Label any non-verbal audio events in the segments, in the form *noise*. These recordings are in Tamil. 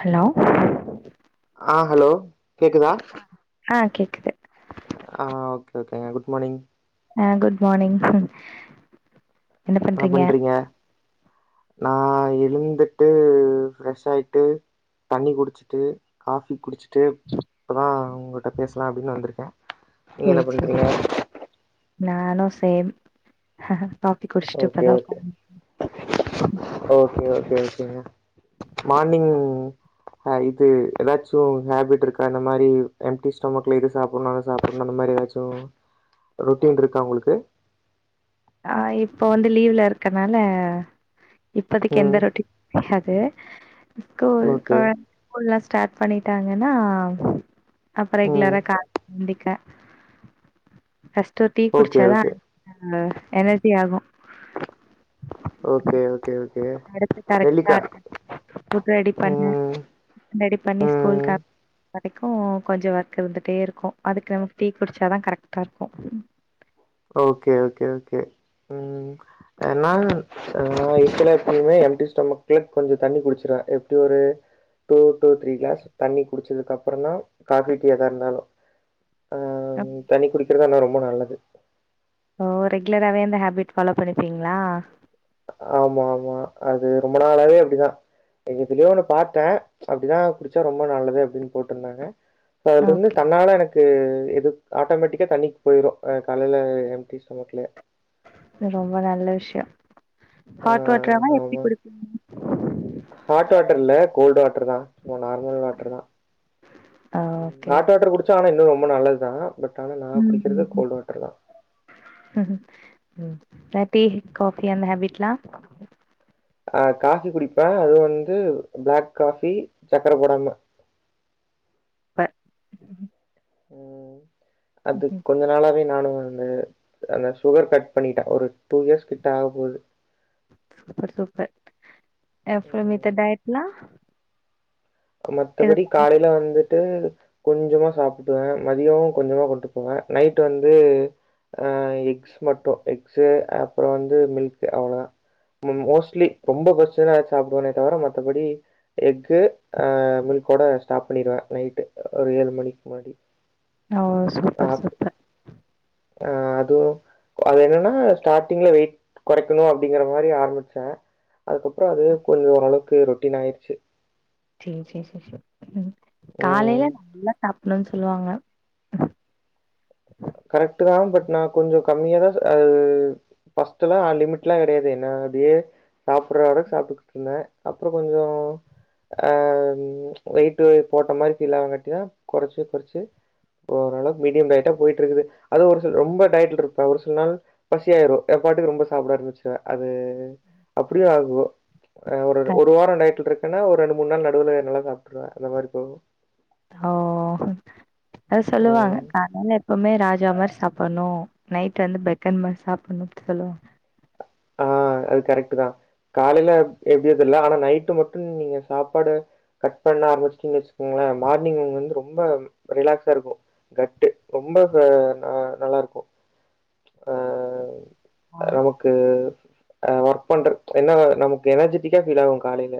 ஹலோ ஆ ஹலோ கேக்குதா ஆ கேக்குது ஆஹ் ஓகே ஓகேங்க குட் மார்னிங் ஆ குட் மார்னிங் என்ன பண்றிங்க நா எழுந்துட்டு ஃப்ரஷாய்ட்டு தண்ணி குடிச்சுட்டு காஃபி குடிச் சுட்டு இப்பதா உங்கள்ட்ட பேசால அப்டின்னு வந்துருக்கே நீங்க என்ன சேரி சேரி பண்றீங்க நானு சேம் காஃபி குடிச்சுட்டு ஒக்கே இப்பதா உக்காந் ஒகே ஒக்கே ஒகே மார்னிங் அ இது ஏதாச்சு ஹேபிட் இருக்கா இந்த மாரி எம்டி ஸ்டெமக்ல இது சாப்பிடு சாப்பிடும் அ மாரி ஏதாச்சு ரொட்டீன் இருக்கா உங்ளுக்கு ஆ இப்போ வந்து லீவ்ல இருக்கனால இப்பதிக்கு எந்த ம் ரொட்டி காது கோ க ஓகே ஸ்கூல்லா ஸ்டார்ட் பண்ணிட்டாங்கன்னா அப்பற ம் ரெகுலரா காலைல எந்தி க ஃபஸ்டு ஒரு டீ ஓகே குடிச்சாதா ஓகே அடுத்து எனர்ஜி ஆகும் ஓகே ஓகே ஓ அடுத்து கரெக்டா இருக்கு ஃபுட் ரெடி பண்ணு ம் ரெடி பண்ணி ஸ்கூக்கு ம் அ வரைக்கு கொஞ்சம் ஒர்க் இருந்துட்டே இருக்கும் அதுக்கு நமக்கு டீ குடிச்சாதா கரெக்ட்டா இருக்கும். ஓகே ஓகே ஓகே உம் ஏனா ச ஆஹ் *inaudible* எப்பவ்மே எம்டி ஸ்டொமக்ல கொஞ்சோ தண்ணி குடிச்சிருவே எப்டி ஒரு டூ டூ த்ரீ கிளாஸ் தண்ணி குடிச்சதுக்கப்றந்தா காபி டீ எதா இருந்தாலு ஆ தண்ணிக்குடி. இருந்தா இன்னு ரொம்ப நல்லது. ஓ ரெகுலராவே இந்த ஹேபிட் ஃபாலோ பண்ணிப்பீங்களா. ஆமா ஆமா அது ரொம்ப நாளாவே அப்படிதா எதுலியோ ஒண்ணு பாத்தே அப்படிதா குடிச்சா ரொம்ப நல்லது அப்படின்னு போட்டிருந்தாங்க. அதுல இருந்து ஓகே தன்னால எனக் இது எது ஆட்டோமேட்டிக்கா தண்ணிக்கு போயிரும் காலைல எம்டி ஸ்டொமக்குல. இது ரொம்ப நல்ல விஷ்யோ ஹ ஆமா ஹாட் வாட்டர் இல்ல கோல்டு வாட்டர் தா சும்ம நார்மல் வாட்டர் தா ஆ ஓகே ஓகே ஹாட் வாட்டர் குடிச்சா ஆனா இன்னு ரொம்ப நல்லது தா பட் ஆனா நா ம் குடிக்கிறது கோல்ட் வாட்டர் தா ம் ம். டீ, காஃபி அந்த ஹேபிட்லா. அஹ காஃபி குடிப்பே அது வந்து பிளாக் காஃபி சக்கர போடாம ப உம். அது கொஞ்ச நாளாவே நானு அந்த அந்த சுகர் கட் பண்ணிட்டே ஒரு டூ இயர்ஸ் கிட்ட ஆக போகுது. சூப்பர் சூப்பர் அப்பிற மித்த ம். டயட்டுலா. மத்தபடி காலைல வந்துட்டு. கொஞ்சமா சாப்பிட்டுவே மதியோ கொஞ்சமா கொண்டுபோவே நைட் வந்து ஆஹ எக்ஸ் மட்டு எக்ஸு அப்புற வந்து மில்க் அவ்ளதா மோஸ்ட்லி ரொம்ப பஸ்ச்சுதுனா எதாச்சு சாப்பிடுவனே தவிர மத்தபடி எக்கு. ஆஹ மில்க்கோட ஸ்டாப் பண்ணிருவே நைட்டு ஒரு ஏழு மணிக்கு முன்னாடி. ஓ சூப்பர் சூப்பர். அஹ அதுவு அது என்னன்னா ஸ்டார்டிங்ல வெயிட் குறைக்கணு அப்படிங்கிற மாரி ஆரம்பிச்சே அதுக்கப்புறோ அதுவே கொஞ்சோ ஓரளவுக்கு ரொட்டீன் ஆயிருச்சு. சேரி சேரி சேரி சேரி உம். காலைல ம் நல்லா சாப் டனு சொல்லுவாங்க. கரெக்ட்டு தா பட் நா கொஞ்ச கம்மியா தா அ பர்ஸ்ட் எல்லா லிமிட்ல்லா கெடையாது என்ன அப்டியே சாப்பிடறாரு சாப்பிட்டுகிட்டு இருந்தே அப்புற கொஞ்சோ ஆஹ வெயிட்டு போட்ட மாரி ஃபீல்லானங்காட்டிதா கொறச்சு கொறச்சு ஓரளவு மீடியம் டயர்டா போயிட் ருக்குது அதுவு ஒரு சில ரொம்ப டயடுல இருப்பே ஒரு சில நாள் பசியாயிரு எம் பாட்டுக்கு ரொம்ப சாப்பிட ஆரபிச்சுருவ அது அப்படியு ஆகு. ஒரு ஒரு வாரோ டயர்டுல இருக்கன்னா ஒரு ரெண்டு மூண் நாள் நடுவ்ல நல்லா சாப்ட்ருவே அந்த மாரி போகு ஓ அத சொல்லுவாங்க ம். அதனால எப்பவுமே ராஜ் ஜா மாரி சாப்பட்ணு நைட் வந்து பெக்கர் மாரி சாப்புட்ணு அப்டி சொல்லுவாங்க ஆஹ் அது கரெக்ட்டுதா காலய்ல எப்டியோ தெர்ல ஆனா நைட்டு மட்டு நீங்க சாப்பாட கட் பண்ணா ஆரம்பிச்டீங்க வச்சு குங்ளே மார்னிங் வந்து ரொம் ம்ப ரிலாக்ஸாருக்கு கட்டு ரொம்ப அ நல்லாருக்கு அ ஆ நமக்கு அ ஒர்க் பண்றக் ஏனா நமக்கு எனர்ஜிடிக்கா ஃபீல் ஆவு காலைல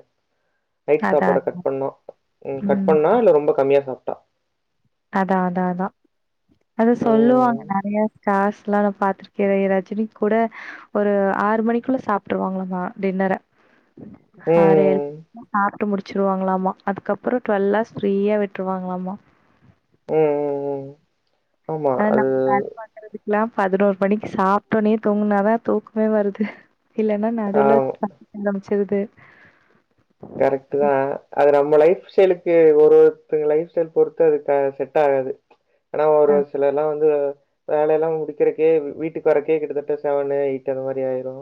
நைட் அதா சாப்பாட அதா கட் பண்ணோ ம் கட் பண்ணா இல்ல ரொம்ப கம்மியா சாப் டா அதா அதா அதா அதா ம் சொல்லுவாங்க நறையா காஸ் லா நா பாத்துருக்கறே ரஜினி கூட ஒரு ஆறு மணிகுள்ள சாப்ட்ருவாங்ளாமா டின்னர ஹாரேல் ம் ஆ ட்டு முடுச்சுருவாங்களாமா அதுக்கப்றொ டுவல் ஆர்ஸ் ஃப்ரீயா விட்ருவாங்ளாமா ம் ம் ம் ஆமா அது லா பதினோர் மணிக்கி சாப்ட்டோனே தூங்குனாதா தூக்மே வருது இல்லனா ஆ நடுவ்ல *inaudible* சிருது கரக்ட்டுதா அது நம்ம லைஃப் ஸ்டைலுக்கு ஒரு ஒருத்தங்க லைஃப் ஸ்டைல் பொருத்து அது க செட் ஆகாது ஏனா ஒரு அ ஒரு சிலர்லா வந்து வேலயெல்லா முடிக்கிறக்கே வீட்டுக் வர்றக்கே கிட்டத்தட்ட செவன் எயிட் அந்த மாரி ஆய்ரு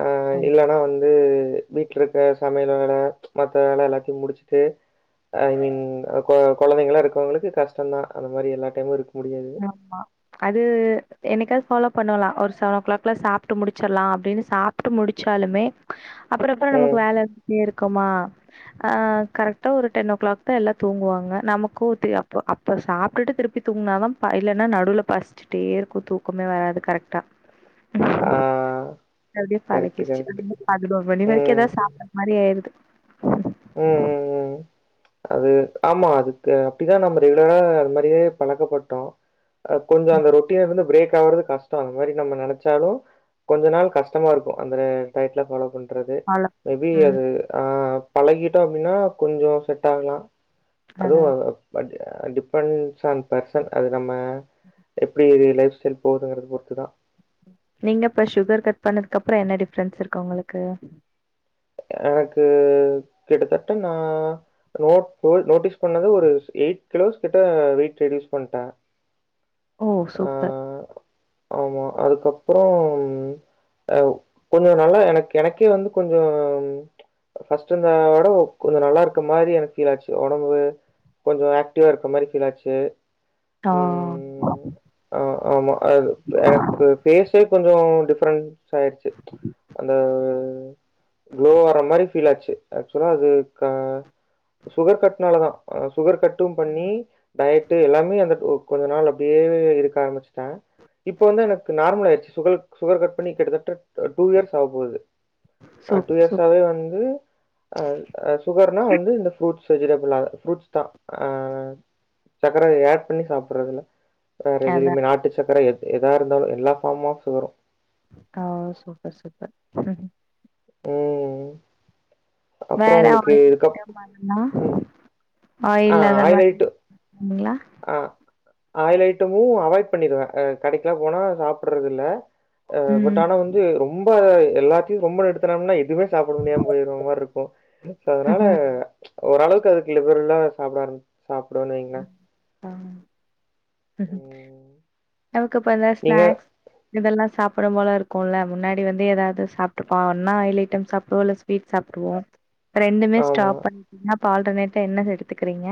ஆ ஆமா இல்லனா வந்து து வீட்ல க சமையல் வேல மத்த வேல எல்லாத்தியு முடுச்சுட்டு ஐ மீன் கொ கொழந்தைங்கள இருக்கவ்ங்ளுக்கு கஷ்டொந்தா அந்த மாரி எல்லா டைமு இரு ஆமா அது என்னய்காவ்து ஃபாலோ பண்ணலா ஒரு செவன் ஓ கிளாக்குல்ல சாப்ட்டு முடுச்சர்லா அப்டினு சாப்ட்டு முடிச்சாலுமே அப்பறொ அப்பறொ ம். நமக் வேலருந்துட்டேருக் குமா ஆ கரக்ட்டா ஒரு டென் ஓ க்ளாக்தா எல்லா தூங்குவாங்க நமக்கு து அப்போ அப்ப சாப்டுட்டு திருப்பி தூங்னாதா பா இல்லனா நடுவ்ல பஷ்ச்சிட்டே இருக்கு தூக்கமே வராது கரக்ட்டா ஆ அப்டியே கரெக்ட்டு, பழகிர்ச்சு கரெக்ட்டு. பதினோர் மணி வரைக்கு ம். ஏதா சாப்புர்ற மாரி ஆயிர் ம் ம் ம் அது ஆமா அதுக்கு அப்டிதா நம்ம ரெகுலரா அது மாரியே பழக்கப்பட்டோ அ கொஞ்சொ அந்த ரொட்டீனிருந்து ப்ரேக் ஆவ்ரது கஷ்டொ அந்த மாரி நம்ம நெனச்சாலு கொஞ்ச நாள் கஷ்டமா இருக்கு அந்த டயட்லா ஃபாலோ பண் றது ஃபாலோ மே பி ம் அது ஆ பழகிட்டோ அப்டின்னா கொஞ்சொ செட் ஆகலா அதுவு அதான் அ டிப்பண்ட்ஸ் ஆன் பர்சன் அது நம்ம எப்டி லைஃப் ஸ்டைல் போகுதுங்கறது பொறுத்து தான் நீங்க இப்ப சுகர் கட் பண்ணதுக்கப்புறோ என்ன டிஃபரன்ஸ் இருக்கு உங்களுக்கு எனக்கு கிட்டத்தட்ட நான் ந நோட்டீஸ் பண்ணது ஒரு எயிட் கிலோஸ் கிட்ட வெய்ட் ரெடியூஸ் பண்ணிட்டேன் ஓ ஆ சூப்பர் ஆமா அதுக்கப்பறம் அஹ் கொஞ்சோ நல்லா எனக்கு எனக்கே வந்து கொஞ்சோ து ஃபர்ஸ்ட் இருந்த விடவு கொஞ்சோ நல்லா இருக்க மாறி எனக்கு ஃபீல் ஆச்சு உடம்பு கொஞ்சோ ஆக்டிவா இருக்க மாதிரி ஃபீல் ஆச்சு ஆ உம் ஆஹ் ஆமா அது எனக்கு பேச கொஞ்சோ டிஃப்ரெண்ட் ஆயிடுச்சு அந்த ஓ குளோ வர்ர மாதிரி ஃபீல் ஆச்சு ஆக்சுவலா அது கா சுகர் கட்னாலதா சுகர் கட்டும் பண்ணி டயட்டு எல்லாமே அந்த ஓ கொஞ்ச நாள் அப்டியே இருக்க ஆரம்பிச்சுட்டேன் இப்ப வந்து எனக்கு நார்மல் ஆயிடுச்சு சுக சுகர் கட் பண்ணி கிட்டத்தட்ட டூ டூ இயர்ஸ் ஆக போகுது அஹ சூப் டூ சூப் இயர்ஸாவே வந்து அஹ சுகர்னா வந்து இந்த ஃப்ரூட்ஸ் வெஜிடபிள்ல ஃப்ரூட்ஸ் தான் அஹ் சக்கர ஆட் பண்ணி சாப்படறதில்ல வேற அதா எதுவுமே நாட்டு சக்கர எது எதா இருந்தாலும் எல்லா ஃபார்ம் ஆஃப் சுகரும் ஹ் சூப்பர் சூப்பர் உம் வேற ஆயில் ஐட்டம் மாறுனா ம். ஆயில் அத மாதிரிங்களா ஆஹ் ஆயில் ஐட்டமும் அவாய்ட் பண்ணிருவேன் அ கடைக்கெல்லா போனா சாப்பட்றது இல்ல அ பட் ம் ஆனா வந்து ரொம் ம்ப எல்லாத்தையும் ரொம்ப நிறுத்துனோம்னா எது எதுமே சாப்பட முடியாம போய்டற மாறி இருக்கு ஓ சோ அதனால ம்ஹ்ம் ச்சு ஓரளவுக்கு அதுக்கு லிப்ரலா சாப்டா ஆரம்பிச்சு சாப்பிடுனுவைங்கள ஆஹ் ம்ம் நமக்கு இப்பந்தா நீங்க? ஸ்நாக்ஸ் இதெல்லா சாப்பிடும் போல இருக்கும்ல்ல முன்னாடி வந்து ஏதாவது சாப்பிடுப்பா ஒன்னா ஆயில் ஐட்டம் சாப்பிடுவோ இல்ல ஸ்வீட் சாப்பிடுவோம் ரெண்டுமே ஆமா. ஸ்டாப் பண்ண ஆல்டர்னேட்டா என்ன எடுத்துக்கறிங்க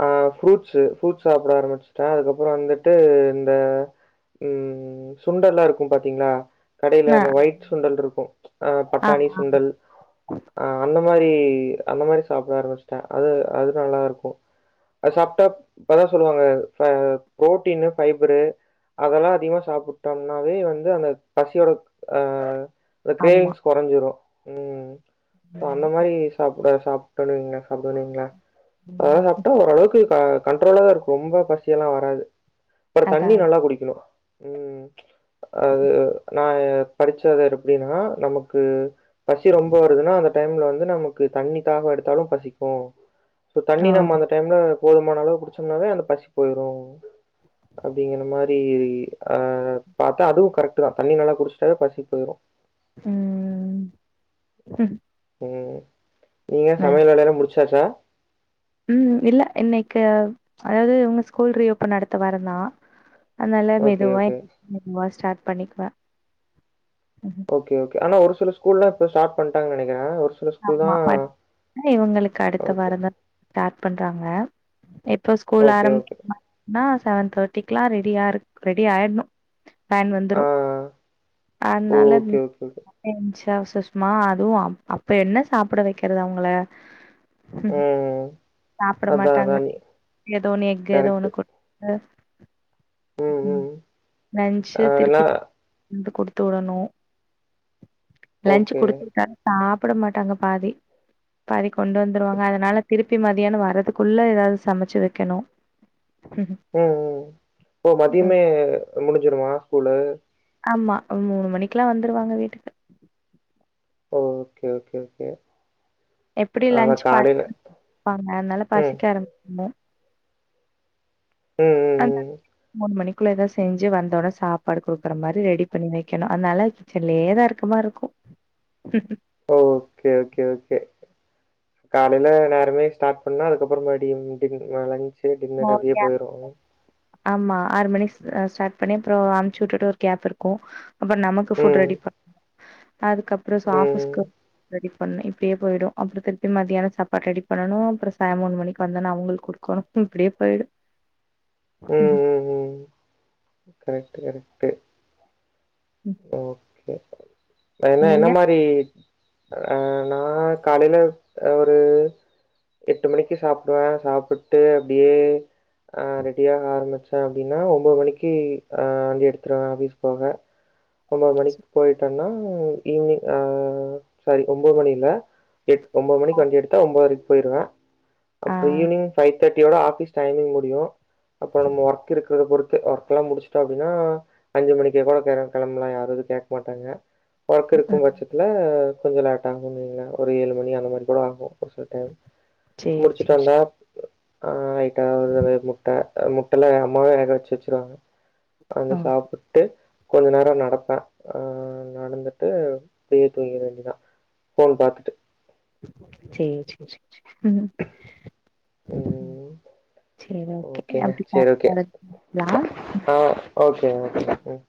அ ஃப்ரூட்ஸு ஃப்ரூட்ஸ் சாப்ட ஆரம்பிச்சுட்டே அதுக்கப்புற வந்துட்டு இந்த ம் சுண்டெல்லா இருக்கும் பாத்திங்ளா கடைல ஆ அந்த ஒயிட் சுண்டல் இருக்கு அ ஆ பட்டாணி ஆ சுண்டல் அ அந்த அந்த மாரி அந்த மாரி சாப்ட ஆரம்பிச்ட்டே அது அது நல்லாதா இருக்கு அது சாப்ட்டா இப்பதா சொல்லுவாங்க புரோட்டீனு ஃபைபரு அதெல்லா அதிகமா சாப்பிட்டோம்னாவே வந்து அந்த பசியோட ஆ இந்த ஆமா கிரேவிங்ஸ் கொறைஞ்சிரு ம் சோ ம் அந்த மாரி சாப் டன் வைங்ளே சாப்டுவன் வைங்ளே ம் ஒரளவுக்கு க கண்ட்ரோலாதா இருக்கு ரொம்ப பசியெல்லா வராது அப்ற அதா தண்ணி நல்லா குடிக்கணு ம் அது நா படிச்சது எப்டினா நமக்கு பசி ரொம்ப வருதுனா அந்த டைம்ல வந்து நமக்கு தண்ணி தாக எடுத்தாலு பசிக்கு சோ தண்ணி ஓ நம்ம போதுமான அளவு குடிச்சம்னாவே அந்த பசி போயிரு அப்படிங்கிற மாரி அ பாத்தா அதுவு கரெக்ட்தா தண்ணி நல்லா குடிச்சுட்டாவே பசி போயிரு ம் ம் நீங்க ம் சமயல் வேலையெல்லா முடிச் சாச்சா ம் இல்ல இன்னைக்கு அதாது இவுங்க ஸ்கூல் ரீஓபன் அடுத்த வாரந்தா அதனால ஓகே, மெதுவா ஓகே. எந்திரிச்சு மெதுவா ஸ்டார்ட் பண்ணிக்குவ ஓகே ஓகே ஆனா ஒரு சில ஸ்கூல்லா இப்ப ஸ்டார்ட் பண்ட்டாங்கன் நெனைக்கிற ஒரு சில ஸ்கூல் ஆமா தான் பட் இவங்களுக்கு அடுத்த ஓகே. வாரந்தா ஸ்டார்ட் பண்றாங்க எப்ப ஸ்கூல் ஓகே, ஓகே. ஆரம்பிக்கறாங்னா செவன் தேர்ட்டிக்லா ரெடியாரு ரெடி ஆயிடணு வேன் ஆ. வந்துரு ஓ! அதனால ஓகே, ஓகே, ஓகே. எந்ச்சா ஷ்மா அதுவு அப் இப்ப என்ன சாப்பிட வெக்கறது அவங்கள ம். சாப்பிட அதான், மாட்டாங்க அதான் நீ ஏதோன்னு எக்கு ஏதோன்னு கரெக்ட்டு. குடுத்து ம் லஞ்சு திருப்பி அதெல்லாம் வந் குடுத்து தொடணு லஞ்சு ஓகே. குடுத்துருக்க சாப் பிட மாட்டாங்க பாதி பாதி கொண்டு வந்துருவாங்க அதனால திருப்பி மதியான வர்றதுக்குள்ள எதாவது சமைச்சு வெக்கணு உ உம் ஓ மதியமே முடிஞ்சிருமா ஸ்கூலு ஆமா மூணு மணிக்கெல்லா வந்துருவாங்க வீட்டுக்கு ஓகே ஓகே ஓகே எப்டி லன்ச் அவன் காலையில *unintelligible* அதனால ம். பசிக்க ஆரம்பிக்க ம், ம், அ ம். மூணு மணிக்கு ள்ள எதா செஞ்சு வந்தொன்ன சாப்பாடு குடுக்குற மாரி ரெடி பண்ணி வெக்கணு அதனால கிச்சன்லயேதா இருக்க மாரி இருக்கு ஓகே ஓகே ஓகே காலைல நேரமே ஸ்டார்ட் பண்ணா அதுக்கப்புறோ மறுபடியு *unintelligible* ஞ்சு டின்னர் ஒரு அப்டியே கேப் போயிரு ஆமா ஆறு மணி ஸ் ஸ்டார்ட் பண்ணி அப்புறோ அமுச்சு விட்டுட்டு ஒரு கேப் இருக்கு அப்பறோ நமக்கு ஃபுட் ம். ரெடி பண் அதுக்கப்புறோ ம். ஆஃபீஸ்க்கு ரெடி பண்ணு இப்படியே போயிடு அப்புறோ திருப்பி மதியான சப்பாடு ரெடி பண்ணூ அப்புறோ சார் மூண் மணிக்கு வந்தொன்ன அவுங்களுக்கு குடுக்கணு இப்படியே போயிடு உம் ம் உம் உம் கரெக்ட் கரெக்ட் ட்டு ம் ஓகே பேசற என்ன என்ன நீங்க மாரி ஆஹ் நா காலைல ஒரு எட்டு மணிக்கு சாப்பிடுவ சாப்பிட்டு அப்டியே ஆஹ் ரெடியாக ஆரம்பிச் ச அப்படின்னா ஒன்பது மணிக்கு வண்டி எடுத்துருவ ஆஃபீஸ் போக ஒன்பது மணிக்கு போயிட்டன்னா உ ஈவினிங் ஆஹ சாரி ஒன்பது மணில்ல எட் ஒன்பது மணிக்கு வண்டி எடுத்தா ஒன்பதரைக் போயிருவ ஆ அப்பறோ ஈவினிங் ஃபைவ் தேட்டியோட ஆபீஸ் டைமிங் முடியு அப்புறோ நம்ம ஒர்க் இருக்கிறத பொறுத் ஒர்க் எல்லா முடிச்சிட்டோ அப்டினா அஞ்சு மணிக்கே கூட கிளம் கிளம்பலா யாரோ அத கேட்க மாட்டாங்க பழக்கோ இருக்கும் ம் பட்சத்துல கொஞ்சோ லேட்டாகுங்களே ஒரு ஏழு மணி அந்த மாரி கூட ஆகோ ஒரு சுத்து சேரி முடிச்சுட்டு சேரி வந்தா ஆய் அ அது நெறைய முட்ட முட்டலா எ அம்மாவே வேக வெச்சு வெச்சிருவாங்க அவுங்க ஓகே சாப்பிட்டு கொஞ்சம் நேரம் நடப்பேன் நடந்துட்டு போய் தூங்க வேண்டிதான் ஃபோன் பார்த்துட்டு சே சே சே ம் ம். சேரி ஓகே ஓகேங்க. அப்டி சரி *unintelligible* ஓகே ம் ம்